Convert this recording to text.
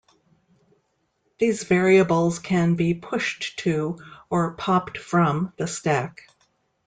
These variables can be pushed to or popped from the stack.